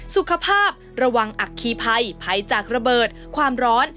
สุขภาพระวังอัคคีภัยภัยจากระเบิดความร้อน